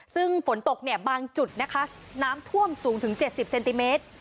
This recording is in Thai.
ซึ่งฝนตกเนี่ยบางจุดนะคะน้ำท่วมสูงถึง๗๐เซนติเมตร